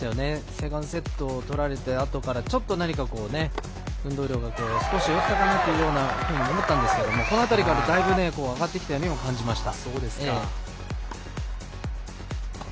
セカンドセット取られてあとからちょっと何か運動量が少し落ちたかなというふうにも思ったんですけどもこの辺りから上がってきたようにも感じました。